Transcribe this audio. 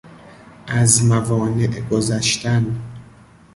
از موانع گذشتن